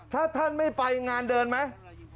ถ้าท่านไม่ไปงานเดินไหม